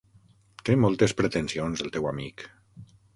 Té moltes pretensions, el teu amic.